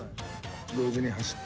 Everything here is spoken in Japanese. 同時に走って。